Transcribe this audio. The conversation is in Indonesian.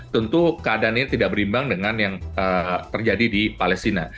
tentu keadaannya tidak berimbang dengan yang terjadi di palestina